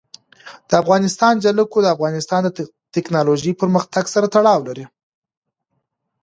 د افغانستان جلکو د افغانستان د تکنالوژۍ پرمختګ سره تړاو لري.